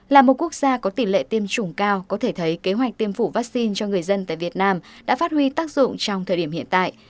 là một quốc gia có tỷ lệ tiêm chủng cao có thể thấy kế hoạch tiêm chủng vaccine cho người dân tại việt nam đã phát huy tác dụng trong thời điểm hiện tại